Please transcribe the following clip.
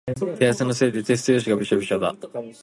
手汗のせいでテスト用紙がびしょびしょだ。